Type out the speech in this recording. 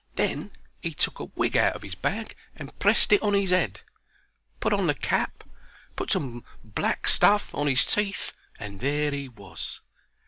Then 'e took a wig out of 'is bag and pressed it on his 'ead, put on the cap, put some black stuff on 'is teeth, and there he was.